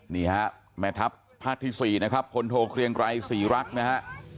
นี่ฮะแม่ทัพภาคที่๔นะครับคนโทเครียงไกล๔รักนะฮะ